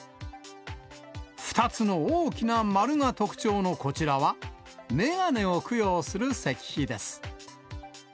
２つの大きな丸が特徴のこちらは、眼鏡を供養する石碑です。